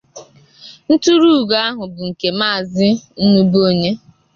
Nturuugo ahụ bụ nke Maazị Nnubuonye